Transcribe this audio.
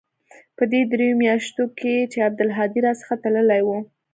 په دې درېو مياشتو کښې چې عبدالهادي را څخه تللى و.